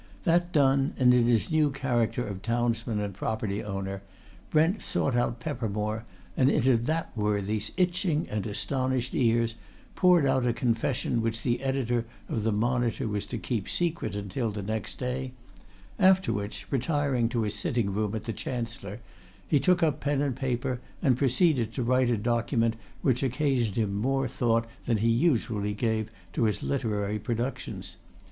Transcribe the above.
That done, and in his new character of townsman and property owner, Brent sought out Peppermore, and into that worthy's itching and astonished ears poured out a confession which the editor of the Monitor was to keep secret until next day; after which, retiring to his sitting room at the Chancellor, he took up pen and paper, and proceeded to write a document which occasioned him more thought than he usually gave to his literary productions.